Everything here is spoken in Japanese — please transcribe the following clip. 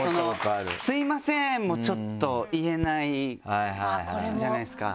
「すいません！」もちょっと言えないじゃないですか。